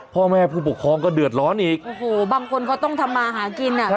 พ่อแม่ผู้ปกครองก็เดือดร้อนอีกโอ้โหบางคนเขาต้องทำมาหากินอ่ะ